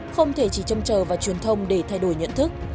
không thể chỉ châm trờ vào truyền thông để thay đổi nhận thức